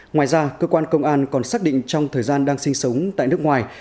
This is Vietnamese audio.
ngoài ra cơ quan công an còn xác định trong thời gian đang sinh sống tại nước ngoài